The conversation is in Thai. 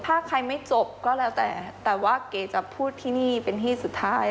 ถ้าใครไม่จบก็แล้วแต่แต่ว่าเก๋จะพูดที่นี่เป็นที่สุดท้าย